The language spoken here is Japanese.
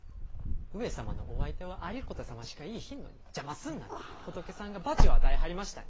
上様のお相手は有功様しかいいひんのに邪魔すんなって仏さんが罰を与えはりましたんや！